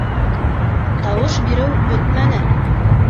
Тауыш биреү бөтмәне.